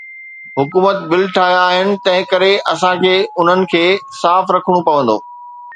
حڪومت پل ٺاهيا آهن، تنهنڪري اسان کي انهن کي صاف رکڻو پوندو.